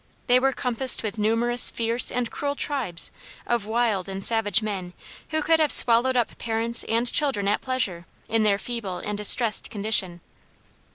They were compassed with numerous fierce and cruel tribes of wild and savage men who could have swallowed up parents and children at pleasure, in their feeble and distressed condition.